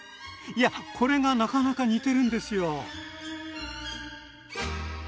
いやこれがなかなか似てるんですよ！